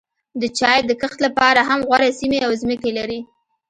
د چای د کښت لپاره هم غوره سیمې او ځمکې لري.